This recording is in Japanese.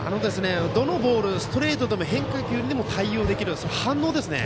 どのボールストレートでも、変化球にも対応できる反応ですね。